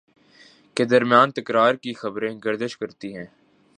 کے درمیان تکرار کی خبریں گردش کرتی ہیں